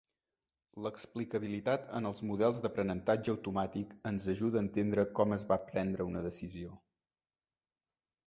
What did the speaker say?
L'explicabilitat en els models d'aprenentatge automàtic ens ajuda a entendre com es va prendre una decisió.